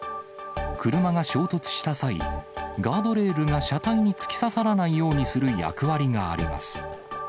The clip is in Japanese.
車が衝突した際、ガードレールが車体に突き刺さらないようにする役割があります。